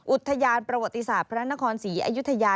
อุทยานประวัติศาสตร์พระนครศรีอยุธยา